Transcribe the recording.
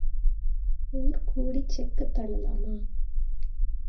ஊர் கூடிச் செக்குத் தள்ளலாமா?